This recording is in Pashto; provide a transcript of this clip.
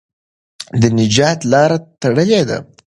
د نجات لاره تړلې ده.